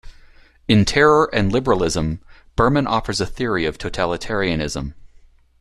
In "Terror and Liberalism", Berman offers a theory of totalitarianism.